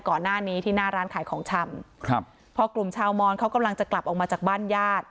ก่อนหน้านี้ที่หน้าร้านขายของชำครับพอกลุ่มชาวมอนเขากำลังจะกลับออกมาจากบ้านญาติ